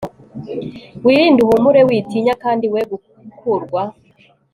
wirinde uhumure, witinya kandi we gukurwa